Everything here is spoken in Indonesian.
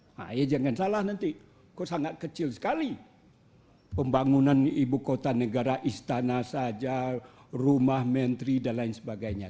nah ya jangan salah nanti kok sangat kecil sekali pembangunan ibu kota negara istana saja rumah menteri dan lain sebagainya